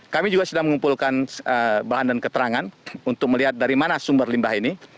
kami juga sudah mengumpulkan bahan dan keterangan untuk melihat dari mana sumber limbah ini